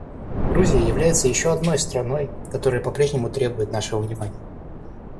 Грузия является еще одной страной, которая по-прежнему требует нашего внимания.